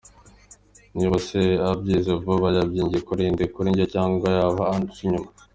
Niba se abyize vuba yabyigiye kuri nde ?kuri jye cyangwa yaba anca inyuma?.